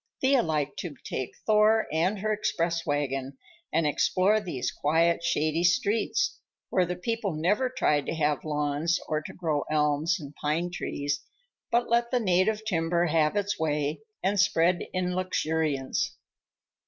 Thea liked to take Thor and her express wagon and explore these quiet, shady streets, where the people never tried to have lawns or to grow elms and pine trees, but let the native timber have its way and spread in luxuriance.